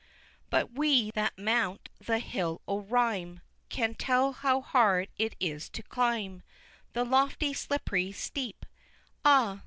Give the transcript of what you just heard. X. But we, that mount the Hill o' Rhyme, Can tell how hard it is to climb The lofty slippery steep, Ah!